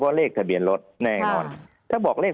ภารกิจสรรค์ภารกิจสรรค์